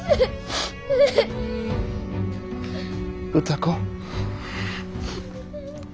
歌子。